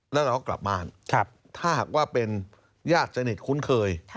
แล้วเราก็กลับบ้านถ้าหากว่าเป็นญาติสนิทคุ้นเคย